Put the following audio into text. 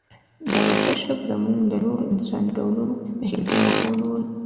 دغه کشف زموږ د نورو انساني ډولونو د هېرېدو مخه ونیوله.